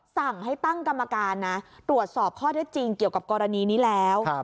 สั่งให้ตั้งกรรมการนะตรวจสอบข้อเท็จจริงเกี่ยวกับกรณีนี้แล้ว